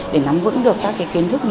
để nắm vững được các kiến thức